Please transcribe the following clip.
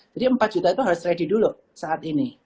jadi rp empat juta itu harus siapkan dulu saat ini